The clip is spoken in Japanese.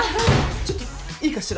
ちょっといいかしら？